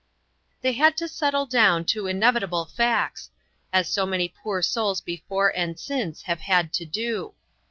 They had to settle down to inevitable facts, as so many poor souls before, and since, have had to do.